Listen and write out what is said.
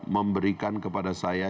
memberikan kepada saya